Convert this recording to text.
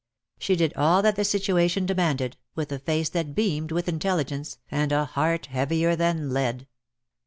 She did all that the situation demanded, with a face that beamed with intelligence, and a heart heavier than lead.